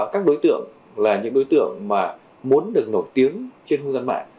các đối tượng là những đối tượng mà muốn được nổi tiếng trên hương dân mạng